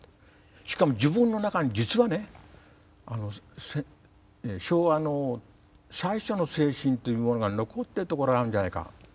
しかも自分の中に実はね昭和の最初の精神というものが残ってるところがあるんじゃないかと。